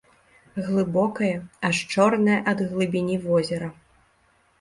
Глыбокае, аж чорнае ад глыбіні возера.